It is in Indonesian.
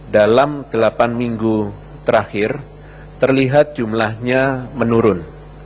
dalam delapan minggu terakhir terlihat jumlahnya menurun